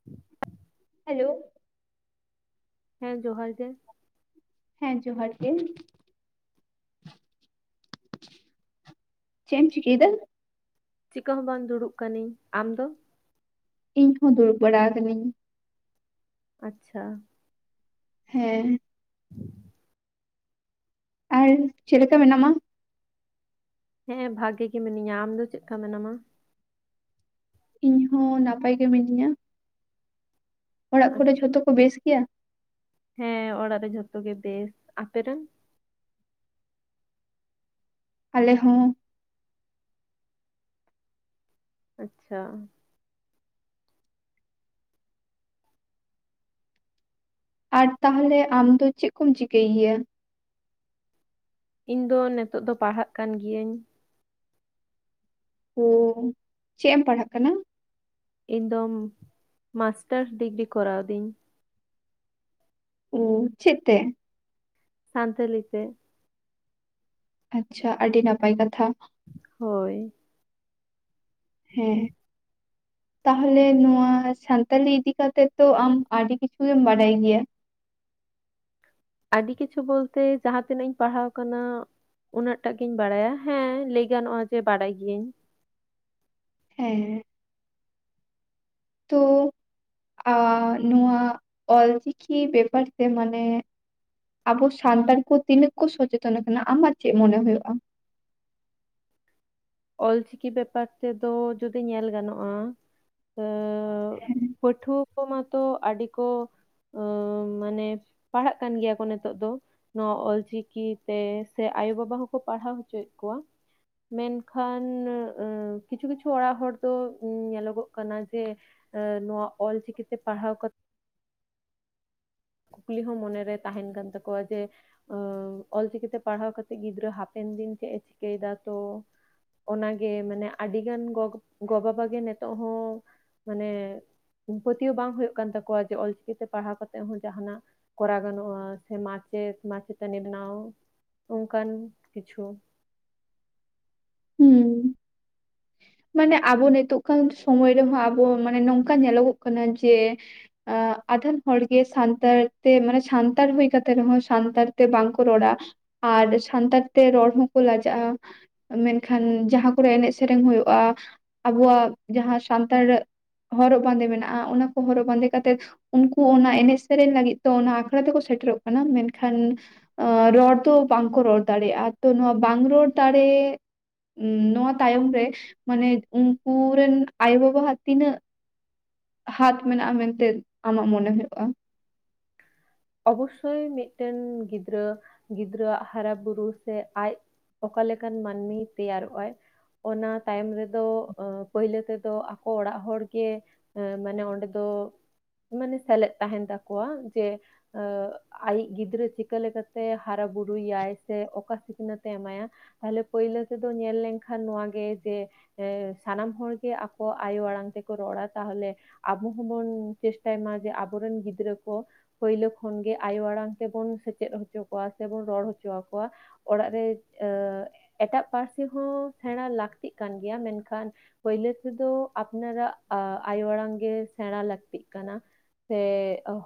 [inaudible] Hello ᱦᱮᱸ ᱡᱚᱦᱟᱨ ᱜᱮ ᱦᱮᱸ ᱡᱚᱦᱟᱨ ᱜᱮ ᱪᱮᱫ ᱮᱢ ᱪᱤᱠᱟᱭ ᱫᱟ? ᱪᱤᱠᱟᱹ ᱦᱚᱸ ᱵᱟᱝ ᱫᱩᱲᱩᱵ ᱠᱟᱹᱱᱟᱹᱧ᱾ ᱟᱢ ᱫᱚ? ᱤᱧ ᱦᱚᱸ ᱫᱩᱲᱩᱵ ᱵᱟᱲᱟ ᱠᱟᱱᱟᱹᱧ ᱟᱪᱪᱷᱟ ᱦᱮᱸ [inaudible] ᱟᱨ ᱪᱮᱫ ᱞᱮᱠᱟ ᱢᱮᱱᱟ ᱢᱟ ᱦᱮᱸ ᱵᱷᱟᱜᱮ ᱜᱮ ᱢᱤᱱᱟᱹᱧᱼᱟ ᱟᱢ ᱫᱚ ᱪᱮᱫ ᱠᱟ ᱢᱮᱱᱟᱢᱟ ᱤᱧ ᱦᱚᱸ ᱱᱟᱯᱟᱭ ᱜᱮ ᱢᱤᱱᱟ. ᱧᱟ ᱚᱲᱟᱜ ᱟᱪ- ᱠᱚᱨᱮ ᱡᱷᱚᱛᱚ ᱠᱚ ᱵᱮᱥ ᱜᱮᱭᱟ ᱦᱮᱸ ᱚᱲᱟᱜ ᱨᱮ ᱡᱷᱚᱛᱚ ᱜᱮ ᱵᱮᱥ ᱟᱯᱮ ᱨᱮᱱ ᱟᱞᱮ ᱦᱚᱸ ᱟᱪᱪᱷᱟ ᱟᱨ ᱛᱟᱦᱚᱞᱮ ᱟᱢ ᱫᱚ ᱪᱮᱫ ᱠᱚᱢ ᱪᱤᱠᱟᱹᱭ ᱜᱮᱭᱟ ᱤᱧ ᱫᱚ ᱱᱤᱛᱚᱜ ᱫᱚ ᱯᱟᱲᱦᱟᱜ ᱠᱟᱱ ᱜᱤᱭᱟᱹᱧ ᱳ ᱪᱮᱫ ᱮᱢ ᱯᱟᱲᱦᱟᱜ ᱠᱟᱱᱟ ᱤᱧ ᱫᱚ ᱢᱟᱥᱴᱟᱨ ᱰᱤᱜᱽᱨᱤ ᱠᱚᱨᱟᱣ ᱫᱤᱧ ᱚ ᱪᱮᱫ ᱛᱮ ᱥᱟᱱᱛᱟᱞᱤ ᱛᱮ ᱟᱪᱪᱷᱟ ᱟᱹᱰᱤ ᱱᱟᱯᱟᱭ ᱠᱟᱛᱷᱟ ᱦᱳᱭ ᱦᱮᱸ ᱛᱟᱦᱚᱞᱮ ᱱᱚᱶᱟ ᱥᱟᱱᱛᱟᱞᱤ ᱤᱫᱤᱠᱟᱛᱮᱜ ᱛᱚ ᱟᱢ ᱟᱹᱰᱤ ᱠᱤᱪᱷᱩ ᱜᱮᱢ ᱵᱟᱰᱟᱭ ᱜᱮᱭᱟ ᱟᱰᱤ ᱠᱤᱪᱷᱩ ᱵᱚᱞᱛᱮ ᱡᱟᱦᱟᱸ ᱛᱤᱱᱟᱹᱜ ᱤᱧ ᱯᱟᱲᱦᱟᱣ ᱠᱟᱱᱟ ᱩᱱᱟᱹᱜ ᱴᱟᱜ ᱜᱤᱧ ᱵᱟᱲᱟᱭᱟ ᱦᱮᱸ ᱞᱟᱹᱭ ᱜᱟᱱᱚᱜᱼᱟ ᱡᱮ ᱵᱟᱲᱟᱭ ᱜᱤᱭᱟᱹᱧ ᱦᱮᱸ ᱛᱳ ᱟ ᱱᱚᱣᱟ ᱚᱞᱪᱤᱠᱤ ᱵᱮᱯᱟᱨ ᱛᱮ ᱢᱟᱱᱮ ᱟᱵᱚ ᱥᱟᱱᱛᱟᱲ ᱠᱚ ᱛᱤᱱᱟᱹᱜ ᱠᱚ ᱥᱚᱪᱮᱛᱚᱱ ᱠᱟᱱᱟ ᱟᱢᱟᱜ ᱪᱮᱫ ᱢᱚᱱᱮ ᱦᱩᱭᱩᱜᱼᱟ ᱚᱞ ᱪᱤᱠᱤ ᱵᱮᱯᱟᱨ ᱛᱮᱫᱚ ᱡᱩᱫᱤ ᱧᱮᱞ ᱜᱟᱱᱚᱜᱼᱟ ᱟᱹ ᱟᱹᱵ ᱯᱟᱹᱴᱷᱩᱣᱟᱹ ᱠᱚ ᱢᱟᱛᱚ ᱟᱰᱤ ᱠᱚ ᱟᱹ ᱢᱟᱱᱮ ᱯᱟᱲᱦᱟᱜ ᱠᱟᱱ ᱜᱮᱭᱟ ᱠᱚ ᱱᱤᱛᱚᱜ ᱫᱚ ᱱᱚᱣᱟ ᱚᱞᱪᱤᱠᱤᱛᱮ ᱥᱮ ᱟᱭᱳᱼᱵᱟᱵᱟ ᱦᱚᱸᱠᱚ ᱯᱟᱲᱦᱟᱣ ᱦᱚᱪᱚᱭᱮᱫ ᱠᱚᱣᱟ ᱢᱮᱱ ᱠᱷᱟᱱ ᱮ ᱠᱤᱪᱷᱩ ᱠᱤᱪᱷᱩ ᱚᱲᱟᱜ ᱦᱚᱲ ᱫᱚ ᱧᱮᱞᱚᱜᱚᱜ ᱠᱟᱱᱟ ᱡᱮ ᱟᱹ ᱱᱚᱣᱟ ᱚᱞᱪᱤᱠᱤᱛᱮ ᱯᱟᱲᱦᱟᱣ ᱠᱟ ᱠᱩᱠᱞᱤ ᱦᱚᱸ ᱢᱚᱱᱮᱨᱮ ᱛᱟᱦᱮᱱ ᱠᱟᱱ ᱛᱟᱠᱚᱣᱟ ᱡᱮ ᱚᱸ ᱚᱞᱪᱤᱠᱤᱛᱮ ᱯᱟᱲᱦᱟᱣ ᱠᱟᱛᱮᱜ ᱜᱤᱫᱽᱨᱟᱹ ᱦᱟᱯᱮᱱ ᱫᱤᱱ ᱪᱮᱜ ᱮ ᱪᱤᱠᱟᱹᱭ ᱫᱟ ᱛᱚ ᱚᱱᱟᱜᱮ ᱢᱟᱱᱮ ᱟᱰᱤ ᱜᱟᱱ ᱜᱚ ᱜᱚᱵᱟᱵᱟ ᱜᱮ ᱱᱮᱛᱚᱜ ᱦᱚᱸ ᱢᱟᱱᱮ ᱩ ᱯᱟᱹᱛᱭᱟ. ᱣ ᱵᱟᱝ ᱦᱳᱭᱳᱜ ᱠᱟᱱ ᱛᱟᱠᱚᱣᱟ ᱡᱮ ᱚᱞ ᱪᱤᱠᱤ ᱛᱮ ᱯᱟᱲᱦᱟᱣ ᱠᱟᱛᱮᱫ ᱦᱚᱸ ᱡᱟᱦᱟᱱᱟᱜ ᱠᱚᱨᱟᱣ ᱜᱟᱱᱚᱜᱼᱟ ᱥᱮ ᱢᱟᱪᱮᱫ ᱢᱟᱪᱮᱛᱟᱱᱤ ᱵᱮᱱᱟᱣ ᱚᱝᱠᱟᱱ ᱠᱤᱪᱷᱩ ᱦᱩᱸ ᱢᱟᱱᱮ ᱟᱵᱚ ᱱᱤᱛᱚᱜ ᱠᱟᱱ ᱥᱚᱢᱚᱭ ᱨᱮᱦᱚᱸ ᱟᱵᱚ ᱢᱟᱱᱮ ᱱᱚᱝᱠᱟ ᱧᱮᱞᱚᱜᱚᱜ ᱠᱟᱱᱟ ᱡᱮ ᱮᱸᱜ ᱟᱫᱷᱟᱱ ᱦᱚᱲᱜᱮ ᱥᱟᱱᱛᱟᱲ ᱛᱮ ᱢᱟᱱᱮ ᱥᱟᱱᱛᱟᱲ ᱦᱳᱭ ᱠᱟᱛᱮ ᱨᱮᱦᱚᱸ ᱥᱟᱱᱛᱟᱲ ᱛᱮ ᱵᱟᱝᱠᱚ ᱨᱚᱲᱟ ᱟᱨ ᱥᱟᱱᱛᱟᱲ ᱛᱮ ᱨᱚᱲ ᱦᱚᱸᱠᱚ ᱞᱟᱡᱟᱜᱼᱟ ᱢᱮᱱᱠᱷᱟᱱ ᱡᱟᱦᱟ ᱠᱚᱨᱮ ᱮᱱᱮᱡ ᱥᱮᱨᱮᱧ ᱦᱩᱭᱩᱜᱼᱟ ᱟᱵᱚᱣᱟᱜ ᱡᱟᱦᱟ ᱥᱟᱱᱛᱟᱲ ᱦᱚᱨᱚᱜ ᱵᱟᱸᱫᱮ ᱢᱮᱱᱟᱜᱼᱟ ᱚᱱᱟ ᱠᱚ ᱦᱚᱨᱚᱜ ᱵᱟᱸᱫᱮ ᱠᱟᱛᱮ ᱩᱱᱠᱩ ᱚᱱᱟ ᱮᱱᱮᱡ ᱥᱮᱨᱮᱧ ᱞᱟᱹᱜᱤᱫ ᱛᱮ ᱚᱱᱟ ᱟᱠᱷᱲᱟ ᱛᱮᱠᱚ ᱥᱮᱴᱮᱨᱚᱜ ᱠᱟᱱᱟ ᱢᱮᱱᱠᱷᱟᱱ ᱮ ᱨᱚᱲ ᱫᱚ ᱵᱟᱝᱠᱚ ᱨᱚᱲ ᱫᱟᱲᱮᱭᱟᱜᱼᱟ ᱛᱚ ᱱᱚᱣᱟ ᱵᱟᱝ ᱨᱚᱲ ᱫᱟᱲᱮ ᱩ ᱱᱚᱣᱟ ᱛᱟᱭᱚᱢ ᱨᱮ ᱢᱟᱱᱮ ᱩᱝᱠᱩ ᱨᱮᱱ ᱟᱭᱳ-ᱵᱟᱵᱟ ᱦᱟᱜ ᱛᱤᱱᱟᱹᱜ ᱦᱟᱛ ᱢᱮᱱᱟᱜᱼᱟ ᱢᱮᱱᱛᱮ ᱟᱢᱟᱜ ᱢᱚᱱᱮ ᱦᱳᱭᱳᱜᱼᱟ ᱚᱵᱚᱥᱥᱳᱭ ᱢᱤᱫᱴᱮᱱ ᱜᱤᱫᱽᱨᱟᱹ ᱜᱤᱫᱽᱨᱟᱹᱣᱟᱜ ᱦᱟᱨᱟ ᱵᱩᱨᱩ ᱥᱮ ᱟᱡ ᱚᱠᱟ ᱞᱮᱠᱟᱱ ᱢᱟᱱᱢᱤᱭ ᱛᱮᱭᱟᱨᱚᱜ ᱟᱭ? ᱚᱱᱟ ᱛᱟᱭᱚᱢ ᱨᱮᱫᱚ ᱯᱟᱹᱭᱞᱟᱹ ᱛᱮᱫᱚ ᱟᱠᱚ ᱚᱲᱟᱜ ᱦᱚᱲ ᱜᱮ ᱾ ᱮ ᱢᱟᱱᱮ ᱚᱸᱰᱮ ᱫᱚ ᱢᱟᱱᱮ ᱥᱮᱞᱮᱫ ᱛᱟᱦᱮᱱ ᱛᱟᱠᱚᱣᱟ ᱡᱮᱼᱼ ᱟᱭᱤᱡ ᱜᱤᱫᱽᱨᱟᱹ ᱪᱤᱠᱟᱹ ᱞᱮᱠᱟᱛᱮ ᱦᱟᱨᱟ ᱵᱩᱨᱩ ᱭᱟᱭ ᱥᱮ ᱚᱠᱟ ᱥᱤᱠᱷᱱᱟᱹᱛ ᱮ ᱮᱢᱟᱭᱟ? ᱛᱟᱦᱞᱮ ᱯᱟᱹᱭᱞᱟᱹ ᱛᱮᱫᱚ ᱧᱮᱞ ᱞᱮᱱᱠᱷᱟᱱ ᱱᱚᱣᱟᱜᱮ ᱡᱮ ᱥᱟᱱᱟᱢ ᱦᱚᱲᱜᱮ ᱟᱠᱚ ᱟᱭᱳ ᱟᱲᱟᱝ ᱛᱮᱠᱚ ᱨᱚᱲᱟ ᱛᱟᱦᱚᱞᱮ ᱼᱼ ᱟᱵᱚ ᱦᱚᱸᱵᱚᱱ ᱪᱮᱥᱴᱟᱭ ᱢᱟ ᱡᱮ ᱟᱵᱚᱨᱮᱱ ᱜᱤᱫᱽᱨᱟᱹ ᱠᱚ ᱯᱟᱹᱭᱞᱟᱹ ᱠᱷᱚᱱ ᱜᱮ ᱟᱭᱳ ᱟᱲᱟᱝ ᱛᱮᱵᱚᱱ ᱥᱮᱪᱮᱫ ᱦᱚᱪᱚ ᱠᱚᱣᱟ ᱥᱮᱵᱚᱱ ᱨᱚᱲ ᱦᱚᱪᱚ ᱟᱠᱚᱣᱟ ᱾ ᱚᱲᱟᱜ ᱨᱮ ᱟᱹᱻ ᱮᱴᱟᱜ ᱯᱟᱹᱨᱥᱤ ᱦᱚᱸ ᱥᱮᱬᱟ ᱞᱟᱹᱠᱛᱤᱜ ᱠᱟᱱ ᱜᱮᱭᱟ ᱢᱮᱱᱠᱷᱟᱱ ᱼᱼ ᱯᱟᱹᱭᱞᱟᱹ ᱛᱮᱫᱚ ᱟᱯᱱᱟᱨᱟᱜ ᱟᱭᱳ ᱟᱲᱟᱝ ᱜᱮ ᱥᱮᱬᱟ ᱞᱟᱹᱠᱛᱤᱜ ᱠᱟᱱᱟ᱾ ᱥᱮ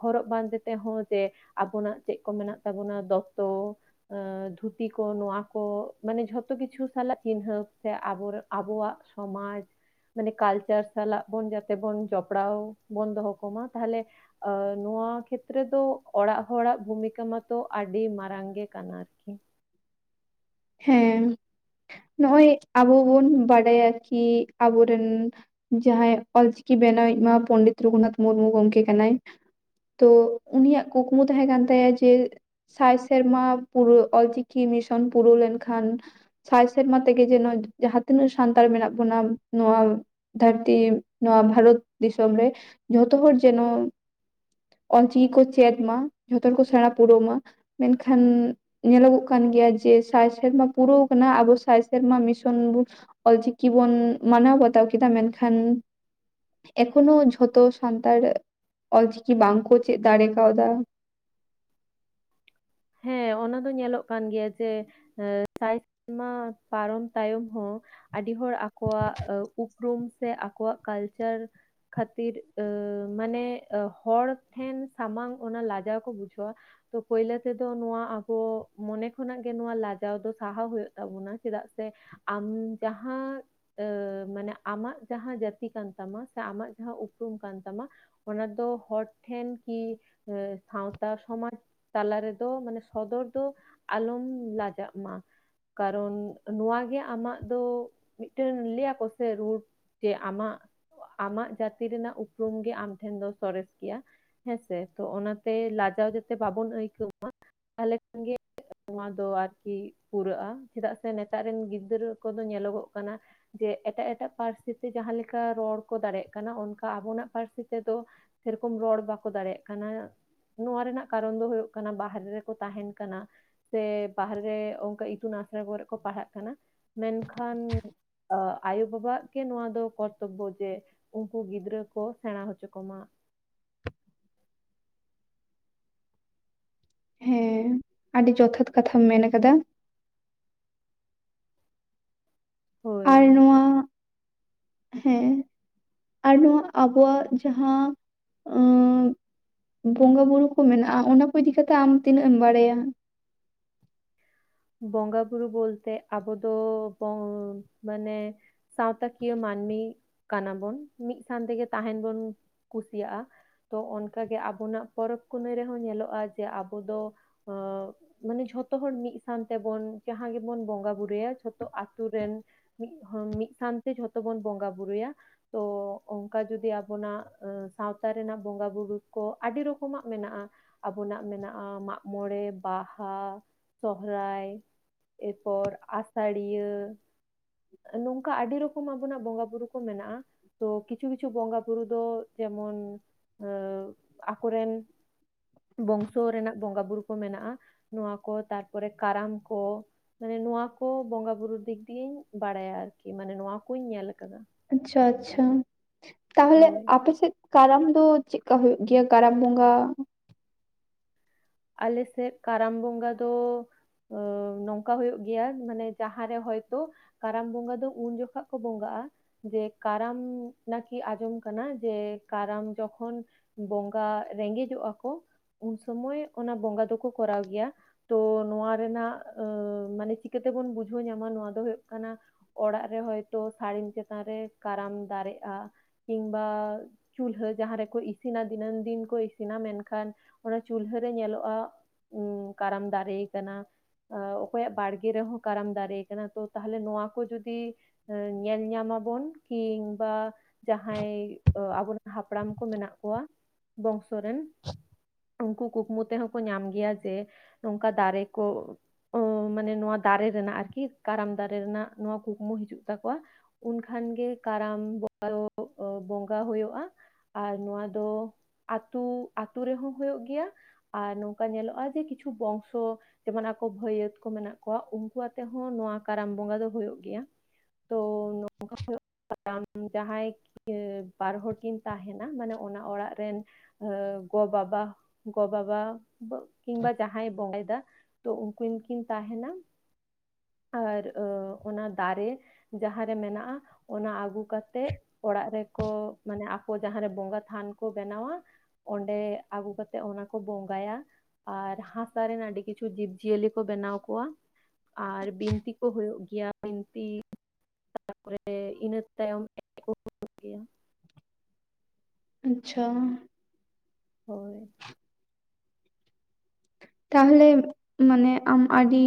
ᱦᱚᱨᱚᱜ ᱵᱟᱸᱫᱮ ᱛᱮᱦᱚᱸ ᱡᱮ ᱟᱵᱚᱱᱟᱜ ᱪᱮᱫ ᱠᱚ ᱢᱮᱱᱟᱜ ᱛᱟᱵᱚᱱᱟ ᱫᱚᱛᱚ ᱟᱹᱻ ᱫᱷᱩᱛᱤ ᱠᱚ ᱱᱚᱶᱟ ᱠᱚ ᱢᱟᱱᱮ ᱡᱷᱚᱛᱚ ᱠᱤᱪᱷᱩ ᱥᱟᱞᱟᱜ ᱪᱤᱱᱦᱟᱹᱯ ᱥᱮ ᱟᱵᱚᱨ ᱟᱵᱚᱣᱟᱜ ᱥᱚᱢᱟᱡᱽ ᱾ ᱢᱟᱱᱮ ᱠᱟᱞᱪᱟᱨ ᱥᱟᱞᱟᱜ ᱵᱚᱱ ᱡᱟᱛᱮ ᱵᱚᱱ ᱡᱚᱯᱲᱟᱣ ᱵᱚᱱ ᱫᱚᱦᱚ ᱠᱚᱢᱟ ᱛᱟᱦᱞᱮᱼᱼ ᱟᱹ ᱱᱚᱣᱟ ᱠᱷᱮᱛᱨᱮ ᱫᱚ ᱚᱲᱟᱜ ᱦᱚᱲᱟᱜ ᱵᱷᱩᱢᱤᱠᱟ ᱢᱟᱛᱚ ᱟᱹᱰᱤ ᱢᱟᱨᱟᱝ ᱜᱮ ᱠᱟᱱᱟ ᱟᱨᱠᱤ᱾ ᱦᱮᱸ ᱱᱚᱜᱼᱚᱭ ᱟᱵᱚ ᱵᱚᱱ ᱵᱟᱰᱟᱭᱟ ᱠᱤ ᱟᱵᱚᱨᱮᱱ ᱡᱟᱦᱟᱭ ᱚᱞᱪᱤᱠᱤ ᱵᱮᱱᱟᱣᱤᱡ ᱢᱟ ᱯᱚᱱᱰᱤᱛ ᱨᱚᱜᱷᱩᱱᱟᱛᱷ ᱢᱩᱨᱢᱩ ᱜᱚᱢᱠᱮ ᱠᱟᱱᱟᱭ᱾ ᱛᱳ ᱩᱱᱤᱭᱟᱜ ᱠᱩᱠᱢᱩ ᱛᱟᱦᱮᱸ ᱠᱟᱱ ᱛᱟᱭᱟ ᱡᱮᱼᱼ ᱥᱟᱭ ᱥᱮᱨᱢᱟ ᱯᱩᱨᱟᱹ ᱚᱞᱪᱤᱠᱤ ᱢᱤᱥᱚᱱ ᱯᱩᱨᱟᱹᱣ ᱞᱮᱱᱠᱷᱟᱱ᱾ ᱥᱟᱭ ᱥᱮᱨᱢᱟ ᱛᱮᱜᱮ ᱡᱮᱱᱚ ᱡᱟᱦᱟᱸ ᱛᱤᱱᱟᱹᱜ ᱥᱟᱱᱛᱟᱲ ᱢᱮᱱᱟᱜ ᱵᱚᱱᱟ ᱱᱚᱣᱟᱼᱼ ᱫᱷᱟᱹᱨᱛᱤ ᱱᱚᱣᱟ ᱵᱷᱟᱨᱚᱛ ᱫᱤᱥᱚᱢ ᱨᱮ ᱡᱚᱛᱚ ᱦᱚᱲ ᱡᱮᱱᱚᱼᱼ ᱚᱞᱪᱤᱠᱤ ᱠᱚ ᱪᱮᱫ ᱢᱟ ᱡᱷᱚᱛᱚ ᱦᱚᱲ ᱠᱚ ᱥᱮᱲᱟ ᱯᱩᱨᱟᱹᱣ ᱢᱟ᱾ ᱢᱮᱱ ᱠᱷᱟᱱ ᱧᱮᱞᱚᱜᱚᱜ ᱠᱟᱱ ᱜᱮᱭᱟ ᱡᱮ ᱥᱟᱭ ᱥᱮᱨᱢᱟ ᱯᱩᱨᱟᱹᱣ ᱠᱟᱱᱟ ᱟᱵᱚ ᱥᱟᱭ ᱥᱮᱨᱢᱟ ᱢᱤᱥᱚᱱ ᱵᱚᱱ ᱚᱞᱪᱤᱠᱤ ᱵᱚᱱ ᱢᱟᱱᱟᱣ ᱵᱟᱛᱟᱣ ᱠᱮᱫᱟ ᱢᱮᱱᱠᱷᱟᱱ ᱮᱠᱷᱚᱱᱳ ᱡᱷᱚᱛᱚ ᱥᱟᱱᱛᱟᱲ ᱚᱞ ᱪᱤᱠᱤ ᱵᱟᱝ ᱠᱚ ᱪᱮᱫ ᱫᱟᱲᱮ ᱠᱟᱣᱫᱟ᱾ ᱦᱮᱸ ᱚᱱᱟ ᱫᱚ ᱧᱮᱞᱚᱜ ᱠᱟᱱ ᱜᱮᱭᱟ ᱡᱮ ᱥᱟᱭ ᱥᱮᱨᱢᱟ ᱯᱟᱨᱚᱢ ᱛᱟᱭᱚᱢ ᱦᱚᱸ ᱟᱹᱰᱤ ᱦᱚᱲ ᱟᱠᱚᱣᱟᱜ ᱩᱯ ᱩᱯᱨᱩᱢ ᱥᱮ ᱟᱠᱚᱣᱟᱜ ᱠᱟᱞᱪᱟᱨ᱾ ᱠᱷᱟᱹᱛᱤᱨ ᱢᱟᱱᱮ ᱦᱚᱲ ᱴᱷᱮᱱ ᱥᱟᱢᱟᱝ ᱚᱱᱟ ᱞᱟᱡᱟᱣ ᱠᱚ ᱵᱩᱡᱷᱟᱹᱣᱟ᱾ ᱛᱳ ᱯᱟᱹᱭᱞᱟ᱾ ᱛᱮᱫᱚ ᱱᱚᱣᱟ ᱟᱵᱚ ᱢᱚᱱᱮ ᱠᱷᱚᱱᱟᱜ ᱜᱮ ᱱᱚᱣᱟ ᱞᱟᱡᱟᱣ ᱫᱚ ᱥᱟᱦᱟᱣ ᱦᱩᱭᱩᱜ ᱛᱟᱵᱚᱱᱟ ᱪᱮᱫᱟᱜ ᱥᱮ ᱟᱢ ᱡᱟᱦᱟᱸ᱾ ᱢᱟᱱᱮ ᱟᱢᱟᱜ ᱡᱟᱦᱟ ᱡᱟᱛᱤ ᱠᱟᱱ ᱛᱟᱢᱟ ᱥᱮ ᱟᱢᱟᱜ ᱡᱟᱦᱟ ᱩᱯᱨᱩᱢ ᱠᱟᱱ ᱛᱟᱢᱟ ᱚᱱᱟ ᱫᱚ ᱦᱚᱲ ᱴᱷᱮᱱ ᱠᱤ ᱥᱟᱶᱛᱟ ᱥᱚᱢᱟᱡ ᱛᱟᱞᱟᱨᱮ ᱢᱟᱱᱮ ᱥᱚᱫᱚᱨ ᱫᱚ ᱟᱞᱚᱢ ᱞᱟᱡᱟᱜ ᱢᱟ᱾ ᱠᱟᱨᱚᱱ ᱱᱚᱣᱟᱜᱮ ᱟᱢᱟᱜ ᱫᱚ ᱢᱤᱫᱴᱮᱱ ᱞᱟᱹᱭᱟ ᱠᱚᱥᱮ ᱨᱩᱰ᱾ ᱡᱮ ᱟᱢᱟᱜ ᱟᱢᱟᱜ ᱡᱟᱹᱛᱤ ᱨᱮᱱᱟᱜ ᱩᱯᱨᱩᱢ ᱜᱮ ᱟᱢ ᱴᱷᱮᱱ ᱫᱚ ᱥᱚᱨᱮᱥ ᱜᱮᱭᱟ ᱾ ᱦᱮᱸᱥᱮ ᱛᱚ ᱚᱱᱟᱛᱮ ᱞᱟᱡᱟᱣ ᱡᱟᱛᱮ ᱵᱟᱵᱚᱱ ᱟᱹᱭᱠᱟᱹᱣ᱾ ᱟᱞᱮ ᱠᱷᱚᱱ ᱜᱮ ᱱᱚᱣᱟ ᱫᱚ ᱟᱨᱠᱤ ᱯᱩᱨᱟᱹᱜᱼᱟ ᱪᱮᱫᱟᱜ ᱥᱮ ᱱᱮᱛᱟᱨ ᱨᱮᱱ ᱜᱤᱫᱽᱨᱟᱹ ᱠᱚᱫᱚ ᱧᱮᱞᱚᱜᱚᱜ ᱠᱟᱱᱟ᱾ ᱡᱮ ᱮᱴᱟᱜ ᱮᱴᱟᱜ ᱯᱟᱹᱨᱥᱤ! ᱛᱮ ᱡᱟᱦᱟ ᱞᱮᱠᱟ ᱨᱚᱲ ᱠᱚ ᱫᱟᱲᱮᱭᱟᱜ ᱠᱟᱱᱟ ᱚᱱᱠᱟ ᱟᱵᱚᱱᱟᱜ ᱯᱟᱹᱨᱥᱤ ᱛᱮᱫᱚ ᱥᱮᱨᱚᱠᱚᱢ ᱨᱚᱲ ᱵᱟᱠᱚ ᱫᱟᱲᱮᱭᱟᱜ ᱠᱟᱱᱟ ᱱᱚᱣᱟ ᱨᱮᱱᱟᱜ ᱠᱟᱨᱚᱱ ᱫᱚ ᱦᱩᱭᱩᱜ ᱚᱱᱟ ᱵᱟᱦᱮᱨᱮ ᱨᱮᱠᱚ ᱛᱟᱦᱮᱱ ᱠᱟᱱᱟ᱾ ᱥᱮ ᱵᱟᱦᱨᱮᱨᱮ ᱚᱱᱠᱟ ᱤᱛᱩᱱ ᱟᱥᱲᱟ ᱠᱚᱨᱮᱜ ᱠᱚ ᱯᱟᱲᱦᱟᱜ ᱠᱟᱱᱟ ᱢᱮᱱᱠᱷᱟᱱ ᱟᱭᱳ ᱵᱟᱵᱟᱜ ᱜᱮ ᱱᱚᱣᱟ ᱫᱚ ᱠᱚᱨᱛᱚᱵᱵᱚ ᱡᱮ ᱩᱱᱠᱩ ᱜᱤᱫᱽᱨᱟᱹ ᱠᱚ ᱥᱮᱲᱟ ᱦᱚᱪᱚ ᱠᱚᱢᱟ᱾ ᱦᱮᱸ ᱟᱹᱰᱤ ᱡᱚᱛᱷᱟᱛ ᱠᱟᱛᱷᱟᱢ ᱢᱮᱱ ᱠᱟᱫᱟ᱾ ᱦᱳᱭ ᱟᱨ ᱱᱚᱣᱟ ᱦᱮᱸᱻ ᱟᱨ ᱱᱚᱣᱟ ᱟᱵᱚᱣᱟᱜ ᱡᱟᱦᱟᱸ ᱵᱚᱸᱜᱟ ᱵᱩᱨᱩ ᱠᱚ ᱢᱮᱱᱟᱜᱼᱟ ᱚᱱᱟ ᱠᱚ ᱤᱫᱤᱠᱟ ᱠᱟᱛᱮᱜ ᱟᱢ ᱛᱤᱱᱟᱹᱜ ᱮᱢ ᱵᱟᱲᱟᱭᱟ? ᱵᱚᱸᱜᱟ ᱵᱩᱨᱩ ᱵᱚᱞᱛᱮ ᱟᱵᱚ ᱫᱚ ᱵᱚᱝ ᱢᱟᱱᱮ ᱥᱟᱶᱛᱟ ᱠᱤᱭᱟᱹ ᱢᱟᱹᱱᱢᱤ ᱠᱟᱱᱟ ᱵᱚᱱ ᱢᱤᱫ ᱥᱟᱶᱟᱱ ᱛᱮᱜᱮ ᱛᱟᱦᱮᱱ ᱵᱚᱱ ᱠᱩᱥᱤᱭᱟᱜᱼᱟ ᱛᱚ ᱚᱱᱠᱟᱜᱮ ᱟᱵᱚᱱᱟᱜ ᱯᱚᱨᱚᱵᱽ ᱯᱩᱱᱟᱹᱭ ᱨᱮᱦᱚᱸ ᱧᱮᱞᱚᱜᱼᱟ ᱡᱮ ᱟᱵᱚ ᱫᱚ ᱟ ᱢᱟᱱᱮ ᱡᱷᱚᱛᱚ ᱦᱚᱲ ᱢᱤᱫ ᱛᱟᱱ ᱛᱮᱵᱚᱱ ᱡᱟᱦᱟᱸ ᱜᱮᱵᱚᱱ ᱵᱚᱸᱜᱟ ᱵᱩᱨᱩᱭᱟ ᱡᱷᱚᱛᱚ ᱟᱛᱳ ᱨᱮᱱ ᱢᱤᱫ ᱦᱚᱲ ᱢᱤᱫ ᱥᱱᱛᱮ ᱡᱷᱚᱛᱚ ᱵᱚᱱ ᱵᱚᱸᱜᱟ ᱵᱩᱨᱩᱭᱟ ᱛᱚ ᱚᱱᱠᱟ ᱡᱩᱚᱫᱤ ᱟᱵᱚᱱᱟᱜ ᱥᱟᱶᱛᱟ ᱨᱮᱱᱟᱜ ᱵᱚᱸᱜᱟ ᱵᱩᱨᱩ ᱠᱚ ᱟᱹᱰᱤ ᱨᱚᱠᱚᱢᱟᱜ ᱢᱮᱱᱟᱜᱼᱟ ᱟᱵᱚᱱᱟᱜ ᱢᱮᱱᱟᱜᱼᱟ ᱢᱟᱜ ᱢᱚᱬᱮ ᱵᱟᱦᱟ ᱥᱚᱦᱚᱨᱟᱭ ᱮᱨ ᱯᱚᱨ ᱟᱥᱟᱲᱤᱭᱟᱹ ᱱᱚᱝᱠᱟ ᱟᱹᱰᱤ ᱨᱚᱠᱚᱢ ᱟᱵᱚᱱᱟᱜ ᱵᱚᱸᱜᱟ ᱵᱩᱨᱩ ᱠᱚ ᱢᱮᱱᱟᱜᱼᱟ ᱛᱚ ᱠᱤᱪᱷᱩ ᱠᱤᱪᱷᱩ ᱵᱚᱸᱜᱟᱼᱵᱩᱨᱩ ᱫᱚ ᱡᱮᱢᱚᱱ ᱮ ᱟᱠᱚᱨᱮᱱ ᱵᱚᱝᱥᱚ ᱨᱮᱱᱟᱜ ᱵᱚᱸᱜᱟ ᱵᱩᱨᱩ ᱠᱚ ᱢᱮᱱᱟᱜᱼᱟ ᱱᱚᱣᱟ ᱠᱚ ᱛᱟᱨᱯᱚᱨᱮ ᱠᱟᱨᱟᱢ ᱠᱚ ᱢᱟᱱᱮ ᱱᱚᱣᱟ ᱠᱚ ᱵᱚᱸᱜᱟ ᱵᱩᱨᱩ ᱫᱤᱠ ᱫᱤᱭᱮᱧ ᱵᱟᱲᱟᱭᱟ ᱟᱨᱠᱤ ᱢᱟᱱᱮ ᱱᱚᱣᱟᱠᱩᱧ ᱧᱮᱞ ᱟᱠᱟᱫᱟ ᱟᱪᱪᱷᱟ ᱟᱪᱪᱷᱟ ᱛᱟᱦᱚᱞᱮ ᱦᱳᱭ ᱟᱯᱮ ᱥᱮᱫ ᱠᱟᱨᱟᱢ ᱫᱚ ᱪᱮᱫᱠᱟ ᱦᱳᱭᱳ ᱜᱮᱭᱟ ᱠᱟᱨᱟᱢ ᱵᱚᱸᱜᱟ? ᱟᱞᱮ ᱥᱮᱫ ᱠᱟᱨᱟᱢ ᱵᱚᱸᱜᱟ ᱫᱚ ᱱᱚᱝᱠᱟ ᱦᱩᱭᱩᱜ ᱜᱮᱭᱟ ᱢᱟᱱᱮ ᱡᱟᱦᱟᱸᱨᱮ ᱦᱚᱭᱛᱳ ᱠᱟᱨᱟᱢ ᱵᱚᱸᱜᱟ ᱫᱚ ᱩᱱ ᱡᱚᱠᱷᱟᱜ ᱠᱚ ᱵᱚᱸᱜᱟᱜᱼᱟ ᱡᱮ ᱠᱟᱨᱟᱢ ᱱᱟᱠᱤ ᱟᱸᱡᱚᱢ ᱠᱟᱱᱟ ᱡᱮ ᱠᱟᱨᱟᱢ ᱡᱚᱠᱷᱚᱱ ᱵᱚᱸᱜᱟ ᱨᱮᱸᱜᱮᱡᱚᱜᱼᱟ ᱠᱚ ᱩᱱ ᱥᱚᱢᱚᱭ ᱚᱱᱟ ᱵᱚᱸᱜᱟ ᱫᱚᱠᱚ ᱠᱚᱨᱟᱣ ᱜᱮᱭᱟ ᱛᱚ ᱱᱚᱣᱟ ᱨᱮᱱᱟᱜ ᱟᱹ ᱢᱟᱱᱮ ᱪᱤᱠᱟᱹᱛᱮᱵᱚᱱ ᱵᱩᱡᱷᱟᱹᱣ ᱧᱟᱢᱟ ᱱᱚᱣᱟ ᱫᱚ ᱦᱩᱭᱩᱜ ᱠᱟᱱᱟ ᱚᱲᱟᱜ ᱨᱮ ᱦᱚᱭᱛᱳ ᱥᱟᱹᱲᱤᱢ ᱪᱮᱛᱟᱱ ᱨᱮ ᱠᱟᱨᱟᱢ ᱫᱟᱨᱮᱜᱼᱟ ᱠᱤᱢᱵᱟ ᱪᱩᱞᱦᱟᱹ ᱡᱟᱦᱟᱸ ᱨᱮᱠᱚ ᱤᱥᱤᱱᱟ ᱫᱤᱱᱟᱹᱢ ᱫᱤᱱ ᱠᱚ ᱤᱥᱤᱱᱟ ᱢᱮᱱᱠᱷᱟᱱ ᱚᱱᱟ ᱪᱩᱞᱦᱟᱹ ᱨᱮ ᱧᱮᱞᱚᱜᱼᱟ ᱩ ᱠᱟᱨᱟᱢ ᱫᱟᱨᱮ ᱠᱟᱱᱟ ᱚᱠᱚᱭᱟᱜ ᱵᱟᱲᱜᱮ ᱨᱮᱦᱚᱸ ᱠᱟᱨᱟᱢ ᱫᱟᱨᱮ ᱠᱟᱱᱟ ᱛᱚ ᱛᱟᱦᱚᱞᱮ ᱱᱚᱣᱟ ᱠᱚ ᱡᱩᱫᱤ ᱧᱮᱞ ᱧᱟᱢᱟᱵᱚᱱ ᱠᱤᱢᱵᱟ ᱡᱟᱦᱟᱸᱭ ᱟᱵᱚᱨᱮᱱ ᱦᱟᱯᱲᱟᱢ ᱠᱚ ᱢᱮᱱᱟᱜ ᱠᱚᱣᱟ ᱵᱚᱝᱥᱚ ᱨᱮᱱ ᱩᱱᱠᱩ ᱠᱩᱠᱢᱩ ᱛᱮᱦᱚᱸ ᱠᱚ ᱧᱟᱢ ᱜᱮᱭᱟ ᱡᱮ ᱱᱚᱝᱠᱟ ᱫᱟᱨᱮ ᱠᱚ ᱚ ᱢᱟᱱᱮ ᱱᱚᱣᱟ ᱫᱟᱨᱮ ᱨᱮᱱᱟᱜ ᱟᱨᱠᱤ ᱠᱟᱨᱟᱢ ᱫᱟᱨᱮ ᱨᱮᱱᱟᱜ ᱱᱚᱣᱟ ᱠᱩᱠᱢᱩ ᱦᱤᱡᱩᱜ ᱛᱟᱠᱚᱣᱟ ᱩᱱᱠᱷᱟᱱᱜᱮ ᱠᱟᱨᱟᱢ ᱵᱚᱸᱜᱟ ᱦᱩᱭᱩᱜᱼᱟ ᱟᱨ ᱱᱚᱣᱟ ᱫᱚ ᱟᱛᱩ ᱟᱛᱩ ᱨᱮᱦᱚᱸ ᱦᱩᱭᱩᱜ ᱜᱮᱭᱟ ᱟᱨ ᱱᱚᱝᱠᱟ ᱧᱮᱞᱚᱜᱼᱟ ᱡᱮ ᱠᱤᱪᱷᱩ ᱵᱚᱝᱥᱚ ᱡᱮᱢᱚᱱ ᱟᱠᱚ ᱵᱷᱟᱹᱭᱭᱟᱹᱛ ᱠᱚ ᱢᱮᱱᱟᱜ ᱠᱚᱣᱟ ᱩᱱᱠᱩ ᱟᱛᱮ ᱦᱚᱸ ᱱᱚᱣᱟ ᱠᱟᱨᱟᱢ ᱵᱚᱸᱜᱟ ᱫᱚ ᱦᱩᱭᱩᱜᱳ ᱜᱮᱭᱟ ᱛᱚ ᱱᱚᱝᱠᱟ ᱦᱩᱭᱩᱜ ᱡᱟᱦᱟᱸᱭ ᱤᱭᱟᱹ ᱵᱟᱨ ᱦᱚᱲᱚᱲ ᱠᱤᱱ ᱛᱟᱦᱮᱱᱟ ᱢᱟᱱᱮ ᱚᱱᱟ ᱚᱲᱟᱜ ᱨᱮᱱ ᱜᱚ ᱵᱟᱵᱟ ᱜᱚᱵᱟᱵᱟ ᱠᱤᱢᱵᱟ ᱡᱟᱦᱟᱸᱭ ᱵᱚᱸᱜᱟᱭᱮᱫᱟ ᱛᱚ ᱩᱱᱠᱤᱱ ᱠᱤᱱ ᱛᱟᱦᱮᱱᱟ ᱟᱨ ᱚᱱᱟ ᱫᱟᱨᱮ ᱡᱟᱦᱟᱸᱨᱮ ᱢᱮᱱᱟᱜᱼᱟ ᱚᱱᱟ ᱟᱹᱜᱩ ᱠᱟᱛᱮᱮᱫ ᱚᱲᱟᱜ ᱨᱮᱠᱚ ᱢᱟᱱᱮ ᱟᱠᱚ ᱡᱟᱦᱟᱸᱨᱮ ᱵᱚᱸᱜᱟ ᱛᱷᱟᱱ ᱠᱚ ᱵᱮᱱᱟᱣᱟ ᱚᱸᱰᱮ ᱟᱹᱜᱩ ᱠᱟᱛᱮ ᱚᱱᱟ ᱠᱚ ᱵᱚᱸᱜᱟᱭᱟ ᱟᱨ ᱦᱟᱥᱟ ᱨᱮᱱᱟᱜ ᱟᱹᱰᱤ ᱠᱤᱪᱷᱩ ᱡᱤᱵᱽ ᱡᱤᱭᱟᱹᱞᱤ ᱠᱚ ᱵᱮᱱᱟᱣ ᱠᱚᱣᱟ ᱟᱨ ᱵᱤᱱᱛᱤ ᱠᱚ ᱦᱩᱭᱩᱜ ᱜᱮᱭᱟ ᱵᱤᱱᱛᱤ ᱛᱟᱨᱯᱚᱨᱮ ᱤᱱᱟᱹ ᱛᱟᱭᱚᱢ ᱮᱡᱭᱟ ᱟᱪᱪᱷᱟ ᱦᱳᱭ ᱛᱟᱦᱚᱞᱮ ᱢᱟᱱᱮ ᱟᱢ ᱟᱹᱰᱤ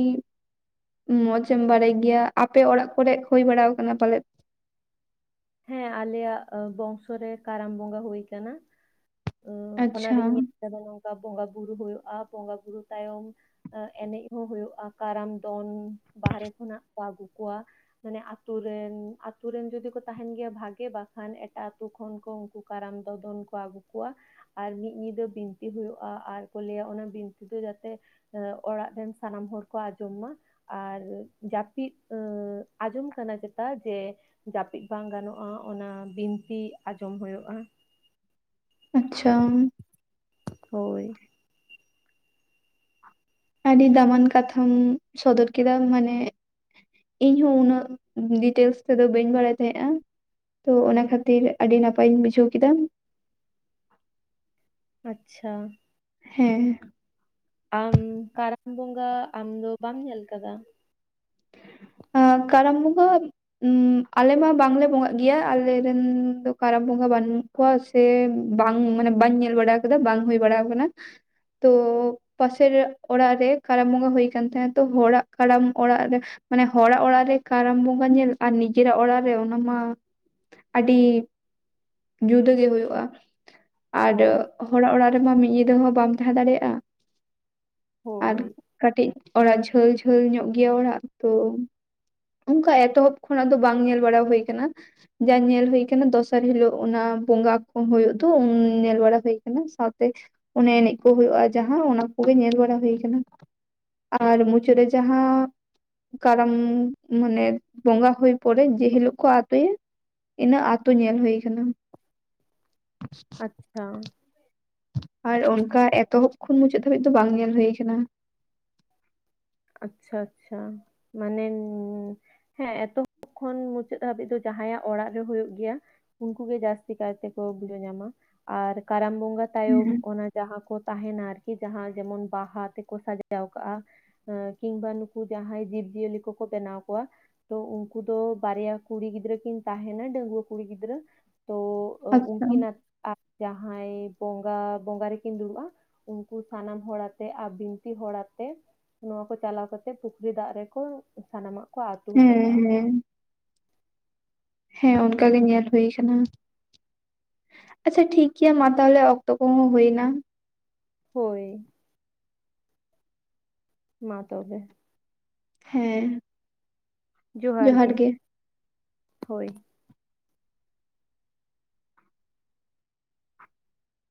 ᱢᱚᱸᱡᱪᱮᱢ ᱵᱟᱲᱟᱭ ᱜᱮᱭᱟ ᱟᱯᱮ ᱚᱲᱟᱜ ᱠᱚᱨᱮ ᱦᱩᱭ ᱵᱟᱲᱟ ᱟᱠᱟᱱᱟ ᱯᱟᱞᱮᱫ ᱦᱮᱸ ᱟᱞᱮᱭᱟᱜ ᱵᱚᱝᱥᱚ ᱨᱮ ᱠᱟᱨᱟᱢ ᱵᱚᱸᱜᱟ ᱦᱩᱭ ᱟᱠᱟᱱᱟ ᱟᱪᱪᱷᱟ ᱚᱱᱟᱨᱤᱧ ᱧᱮᱞ ᱠᱮᱫᱟ ᱱᱚᱝᱠᱟ ᱵᱚᱸᱜᱟ ᱵᱩᱨᱩ ᱦᱩᱭᱩᱜᱼᱟ ᱵᱚᱸᱜᱟ ᱵᱩᱨᱩ ᱛᱟᱭᱚᱢ ᱮᱱᱮᱡ ᱦᱚᱸ ᱦᱩᱭᱩᱜᱼᱟ ᱠᱟᱨᱟᱢ ᱫᱚᱝ ᱵᱟᱦᱨᱮ ᱠᱷᱚᱱᱟᱜ ᱠᱚ ᱟᱹᱜᱩ ᱠᱚᱣᱟ ᱢᱟᱱᱮ ᱟᱛᱳ ᱨᱮᱱ ᱟᱛᱳ ᱨᱮᱱ ᱡᱩᱫᱤ ᱠᱚ ᱛᱟᱦᱮᱱ ᱜᱮᱭᱟ ᱵᱷᱟᱜᱤ ᱵᱟᱠᱷᱟᱱ ᱮᱴᱟᱜ ᱟᱛᱳ ᱠᱷᱚᱱ ᱠᱚ ᱩᱱᱠᱩ ᱠᱟᱨᱟᱢ ᱫᱚ-ᱫᱚᱱ ᱠᱚ ᱟᱹᱜᱩ ᱠᱚᱣᱟ ᱟᱨ ᱢᱤᱫ ᱧᱤᱫᱟᱹ ᱵᱤᱱᱛᱤ ᱦᱩᱭᱩᱜᱼᱟ ᱟᱨ ᱠᱚ ᱞᱟᱹᱭᱟ ᱚᱱᱟ ᱵᱤᱱᱛᱤ ᱫᱚ ᱡᱟᱛᱮ ᱚᱲᱟᱜ ᱨᱮᱱ ᱥᱟᱱᱟᱢ ᱦᱚᱲ ᱠᱚ ᱟᱸᱡᱚᱢ ᱢᱟ ᱾ ᱟᱨ ᱡᱟᱹᱯᱤᱫ ᱟᱸᱡᱚᱢ ᱠᱟᱱᱟ ᱪᱮᱛᱟ ᱡᱮ ᱡᱟᱹᱯᱤᱫ ᱵᱟᱝ ᱜᱟᱱᱚᱜᱼᱟ ᱚᱱᱟ ᱵᱤᱱᱛᱤ ᱟᱸᱡᱚᱢ ᱦᱩᱭᱩᱜᱼᱟ ᱾ ᱟᱪᱪᱷᱟ ᱾ ᱦᱳᱭ ᱾ ᱟᱹᱰᱤ ᱫᱟᱢᱟᱱ ᱠᱟᱛᱷᱟᱢ ᱥᱚᱫᱚᱨ ᱠᱮᱫᱟ ᱢᱟᱱᱮ ᱤᱧᱦᱚᱸ ᱩᱱᱟᱹᱜ ᱰᱤᱴᱮᱞᱥ ᱛᱮᱫᱚ ᱵᱟᱹᱧ ᱵᱟᱲᱟᱭ ᱛᱟᱦᱮᱸᱜᱼᱟ ᱾ ᱛᱚ ᱚᱱᱟ ᱠᱷᱟᱹᱛᱤᱨ ᱟᱹᱰᱤ ᱱᱟᱯᱟᱭᱤᱧ ᱵᱩᱡᱷᱟᱹᱣ ᱠᱮᱫᱟ ᱾ ᱟᱪᱪᱷᱟ ᱾ ᱦᱮᱸ ᱾ ᱟᱢ ᱠᱟᱨᱟᱢ ᱵᱚᱸᱜᱟ, ᱟᱢ ᱫᱚ ᱵᱟᱢ ᱧᱮᱞ ᱟᱠᱟᱫᱟ? ᱟᱻᱠᱟᱨᱟᱢ ᱵᱚᱸᱜᱟ ᱩᱸ ᱟᱞᱮᱢᱟ ᱵᱟᱝᱞᱮ ᱵᱚᱸᱜᱟᱜ ᱜᱮᱭᱟ, ᱟᱞᱮᱨᱮᱱ ᱫᱚ ᱠᱟᱨᱟᱢ ᱵᱚᱸᱜᱟ ᱵᱟᱹᱱᱩᱜ ᱠᱚᱣᱟ ᱥᱮ ᱵᱟᱝ ᱢᱟᱱᱮ ᱵᱟᱹᱧ ᱧᱮᱞ ᱵᱟᱲᱟ ᱠᱟᱫᱟ ᱵᱟᱝ ᱦᱩᱭ ᱵᱟᱲᱟᱣ ᱠᱟᱱᱟ ᱾ ᱛᱚ ᱯᱟᱥᱮᱨ ᱚᱲᱟᱜ ᱨᱮ ᱠᱟᱨᱟᱢ ᱵᱚᱸᱜᱟ ᱦᱩᱭ ᱠᱟᱱᱟᱱ ᱛᱟᱦᱮᱸᱱᱟ ᱛᱚ ᱦᱚᱲᱟᱜ ᱠᱟᱨᱟᱢ ᱚᱲᱟᱜ ᱨᱮ ᱢᱟᱱᱮ ᱦᱚᱲᱟᱜ ᱚᱲᱟᱜ ᱨᱮ ᱠᱟᱨᱟᱢ ᱵᱚᱸᱜᱟ ᱧᱮᱞ ᱟᱨ ᱱᱤᱡᱮᱨᱟᱜ ᱚᱲᱟᱜ ᱨᱮ ᱚᱱᱟ ᱢᱟ ᱟᱹᱰᱤ ᱡᱩᱫᱟᱹ ᱜᱮ ᱦᱳᱭᱳᱜᱼᱟ ᱾ ᱟᱨ ᱦᱳᱭ [unintelligible] ᱦᱚᱲᱟᱜ ᱚᱲᱟᱜ ᱨᱮᱢᱟ ᱢᱤᱫ ᱧᱤᱫᱟᱹ ᱦᱚᱸ ᱵᱟᱢ ᱛᱟᱦᱮᱸ ᱫᱟᱲᱮᱭᱟᱜᱼᱟ ᱾ ᱟᱨ ᱦᱳᱭ ᱠᱟᱹᱴᱤᱡ ᱚᱲᱟᱜ ᱡᱷᱟᱹᱞ ᱡᱷᱟᱹᱞ ᱧᱚᱜ ᱜᱮᱭᱟ ᱚᱲᱟᱜ ᱛᱳᱻ ᱩᱝᱠᱟ ᱮᱛᱚᱦᱚᱵ ᱠᱷᱚᱱᱟᱜ ᱫᱚ ᱵᱟᱝ ᱧᱮᱞ ᱵᱟᱲᱟ ᱦᱩᱭ ᱠᱟᱱᱟ ᱾ ᱡᱟ ᱧᱮᱞ ᱦᱩᱭ ᱠᱟᱱᱟ ᱫᱚᱥᱟᱨ ᱦᱤᱞᱳᱜ ᱚᱱᱟ ᱵᱚᱸᱜᱟ ᱠᱚ ᱦᱳᱭᱳ ᱫᱚ ᱩᱱ ᱧᱮᱞ ᱵᱟᱲᱟ ᱦᱩᱭ ᱠᱟᱱᱟ ᱥᱟᱶᱛᱮ ᱚᱱᱮ ᱮᱱᱮᱡ ᱠᱚ ᱦᱩᱭᱩᱜᱼᱟ ᱡᱟᱦᱟ ᱚᱱᱟ ᱠᱚᱜᱮ ᱧᱮᱞ ᱵᱟᱲᱟ ᱦᱩᱭ ᱠᱟᱱᱟ᱾ ᱟᱨ ᱢᱩᱪᱟᱹᱫ ᱨᱮ ᱡᱟᱦᱟᱸᱼᱼ ᱠᱟᱨᱟᱢ ᱢᱟᱱᱮ, ᱵᱚᱸᱜᱟ ᱦᱩᱭ ᱯᱚᱨᱮ ᱡᱮ ᱦᱤᱞᱳᱜ ᱠᱚ ᱟᱛᱳᱭᱟ ᱤᱱᱟᱹᱜ ᱟᱛᱳ ᱧᱮᱞ ᱦᱩᱭ ᱠᱟᱱᱟ᱾ ᱟᱪᱪᱷᱟ᱾ ᱟᱨ ᱚᱱᱠᱟ ᱮᱛᱚᱦᱚᱵ ᱠᱷᱚᱱ ᱢᱩᱪᱟᱹᱫ ᱫᱷᱟᱹᱵᱤᱡ ᱫᱚ ᱵᱟᱝ ᱧᱮᱞ ᱦᱩᱭᱩ ᱠᱟᱱᱟ᱾ ᱟᱪᱪᱷᱟ ᱟᱪᱪᱷᱟ ᱢᱟᱱᱮ ᱦᱮᱸ ᱮᱛᱚᱦᱚᱵ ᱠᱷᱚᱱ ᱢᱩᱪᱟᱹᱫ ᱦᱟᱹᱵᱤᱡ ᱫᱚ ᱡᱟᱦᱟᱸᱭᱭᱟᱜ ᱚᱲᱟᱜ ᱨᱮ ᱦᱳᱭᱳᱜ ᱜᱮᱭᱟ ᱩᱱᱠᱩ ᱜᱮ ᱡᱟᱥᱛᱤ ᱠᱟᱭᱛᱮ ᱠᱚ ᱵᱩᱡᱷᱟᱣ ᱧᱟᱢᱟ ᱟᱨ ᱠᱟᱨᱟᱢ ᱵᱚᱸᱜᱟᱼᱼ ᱛᱟᱭᱚᱢ ᱦᱮᱸ ᱚᱱᱟ ᱡᱟᱦᱟᱸ ᱠᱚ ᱛᱟᱦᱮᱱᱟ ᱟᱨᱠᱤ ᱡᱟᱦᱟᱸ ᱡᱮᱢᱚᱱ ᱵᱟᱦᱟ ᱛᱮᱠᱚ ᱥᱟᱡᱟᱣ ᱠᱟᱜᱼᱟ᱾ ᱟᱸ ᱠᱤᱝᱵᱟ ᱱᱩᱠᱩ ᱡᱟᱦᱟᱸᱭ ᱡᱤᱵ ᱡᱤᱭᱟᱹᱞᱤ ᱠᱚᱠᱚ ᱵᱮᱱᱟᱣ ᱠᱚᱭᱟ, ᱛᱳ ᱩᱱᱠᱩ ᱫᱚ ᱵᱟᱨᱭᱟ ᱠᱩᱲᱤ ᱜᱤᱫᱽᱨᱟᱹ ᱠᱤᱱ ᱛᱟᱦᱮᱱᱟ ᱰᱟᱹᱝᱜᱩᱣᱟᱹ ᱠᱩᱲᱤ ᱜᱤᱫᱽᱨᱟᱹ, ᱛᱳ ᱟᱪᱪᱷᱟ ᱩᱱᱠᱤᱱᱟᱜ ᱟᱨ ᱡᱟᱦᱟᱸᱭ ᱵᱚᱸᱜᱟ ᱵᱚᱸᱜᱟ ᱨᱮᱠᱤᱱ ᱫᱩᱲᱩᱵᱼᱟ᱾ ᱩᱱᱠᱩ ᱥᱟᱱᱟᱢ ᱦᱚᱲ ᱟᱛᱮ ᱟᱨ ᱵᱤᱱᱛᱤ ᱦᱚᱲ ᱟᱛᱮ᱾ ᱱᱚᱣᱟ ᱠᱚ ᱪᱟᱞᱟᱣ ᱠᱟᱛᱮ ᱯᱩᱠᱷᱨᱤ ᱫᱟᱜ ᱨᱮᱠᱚ ᱥᱟᱱᱟᱢᱟᱜ ᱠᱚ ᱟᱹᱛᱩ ᱦᱚᱴᱚ ᱦᱮᱸ ᱠᱟᱜᱼᱟ᱾ ᱦᱮᱸ ᱦᱮᱸ ᱚᱱᱠᱟ ᱜᱮ ᱧᱮᱞ ᱦᱩᱭ ᱠᱟᱱᱟ᱾ ᱟᱪᱪᱷᱟ ᱴᱷᱤᱠ ᱜᱮᱭᱟ ᱢᱟ ᱛᱟᱦᱚᱞᱮ ᱚᱠᱛᱚ ᱠᱚᱦᱚᱸ ᱦᱩᱭᱱᱟ᱾ ᱦᱳᱭ᱾ ᱢᱟ ᱛᱚᱵᱮ᱾ ᱦᱮᱸ᱾ ᱡᱚᱦᱟᱨ ᱜᱮ, ᱦᱳᱭ᱾